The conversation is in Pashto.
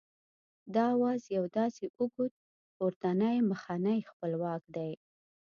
دا آواز یو داسې اوږد پورتنی مخنی خپلواک دی